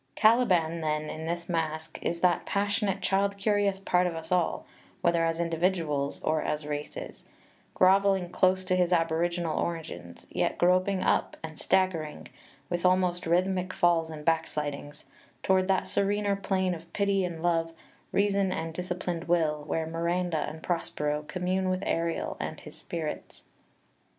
Caliban, then, in this Masque, is that passionate child curious part of us all [whether as individuals or as races], grovelling close to his aboriginal origins, yet groping up and staggering with almost rhythmic falls and back slidings toward that serener plane of pity and love, reason and disciplined will, where Miranda and Prospero commune with Ariel and his Spirits.